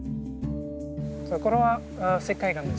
これは石灰岩です。